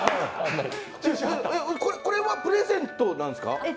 これはプレゼントなんですか？